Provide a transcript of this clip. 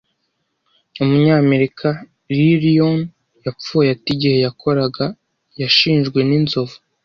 Umunyamerika Lee Lyon yapfuye ate igihe yakoraga Yashinjwe n'inzovu